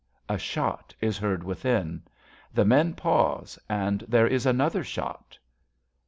A shot is heard within. The men pause and there is another shot.)